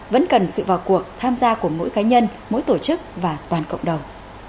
vẫn cần sự vào cuộc tham gia của mỗi cá nhân mỗi tổ chức và toàn cộng đồng